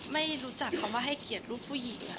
ไม่รู้จักคำว่าให้เกียรติลูกผู้หญิง